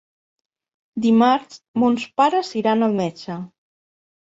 Dimarts mons pares iran al metge.